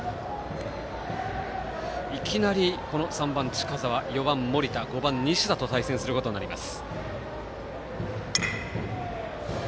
いきなり３番近澤４番森田５番、西田と対戦することになります。